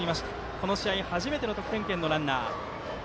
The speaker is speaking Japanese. この試合初めての得点圏のランナー。